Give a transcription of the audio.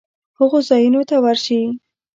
هغو ځایونو ته ورشي